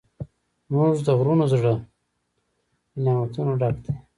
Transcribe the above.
زموږ د غرونو زړه له نعمتونو ډک دی.